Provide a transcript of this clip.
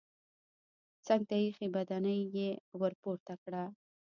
څنګ ته ايښی بدنۍ يې ورپورته کړه.